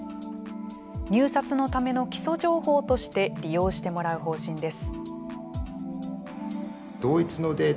入札のための基礎情報として利用してもらう方針です。